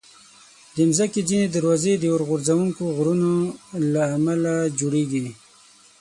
د مځکې ځینې دروازې د اورغورځونکو غرونو له امله جوړېږي.